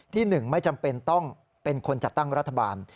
ที่๑ไม่จำเป็นต้องเป็นคนจัดตั้งรัฐบาล